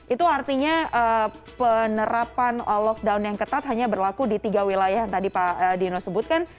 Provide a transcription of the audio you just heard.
itu artinya penerapan lockdown yang ketat hanya berlaku di tiga wilayah yang tadi pak dino sebutkan